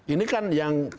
ini kan yang